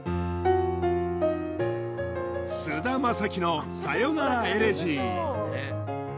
菅田将暉の「さよならエレジー」